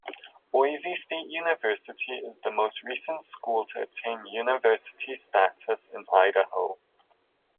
Boise State University is the most recent school to attain university status in Idaho.